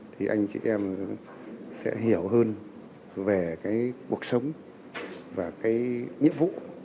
thì anh chị em sẽ hiểu hơn về cuộc sống và nhiệm vụ